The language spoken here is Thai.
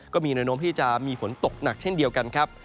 ก็มีแนวโน้มที่จะมีฝนตกหนักเช่นเดียวกันครับ